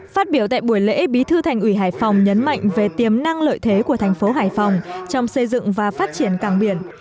phát biểu tại buổi lễ bí thư thành ủy hải phòng nhấn mạnh về tiềm năng lợi thế của thành phố hải phòng trong xây dựng và phát triển cảng biển